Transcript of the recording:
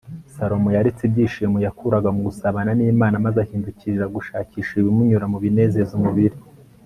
salomo yaretse ibyishimo yakuraga mu gusabana n'imana maze ahindukirira gushakira ibimunyura mu binezeza umubiri